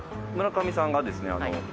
村上さんがですね